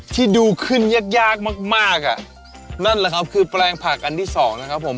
ที่ดูขึ้นยากยากมากมากอ่ะนั่นแหละครับคือแปลงผักอันที่สองนะครับผม